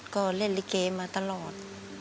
ก็เล่นลิเกมาตลอด